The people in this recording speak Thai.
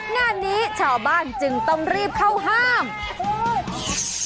งานนี้ชาวบ้านจึงต้องรีบเข้าห้าม